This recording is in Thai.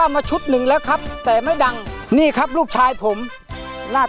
เพลงนี้อยู่ในอาราบัมชุดแรกของคุณแจ็คเลยนะครับ